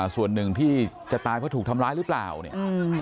ส่วนหนึ่งที่จะตายเพราะถูกทำร้ายหรือเปล่าเนี่ย